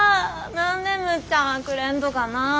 何でむっちゃんはくれんとかなぁ。